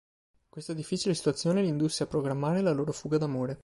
Questa difficile situazione li indusse a programmare la loro fuga d'amore.